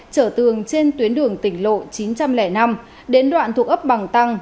trở tường trên tuyến đường tỉnh lộ chín trăm linh năm đến đoạn thuộc ấp bằng tăng